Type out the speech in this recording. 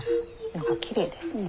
何かきれいですね。